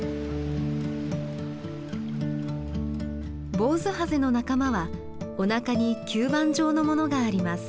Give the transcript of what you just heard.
ボウズハゼの仲間はおなかに吸盤状のものがあります。